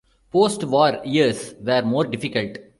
Postwar years were more difficult.